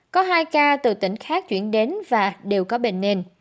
có hai ca từ tỉnh khác chuyển đến và đều có bệnh nền